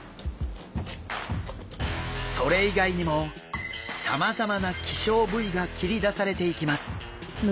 それ以外にもさまざまな希少部位が切り出されていきます。